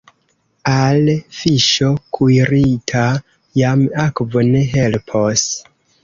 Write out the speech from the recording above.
Al fiŝo kuirita jam akvo ne helpos.